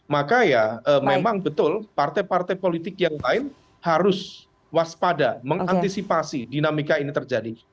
maka ya memang betul partai partai politik yang lain harus waspada mengantisipasi dinamika ini terjadi